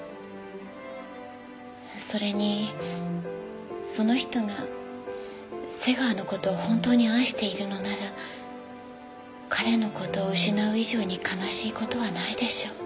それにその人が瀬川の事を本当に愛しているのなら彼の事を失う以上に悲しい事はないでしょう。